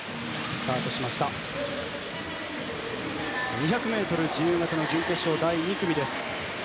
２００ｍ自由形の準決勝第２組です。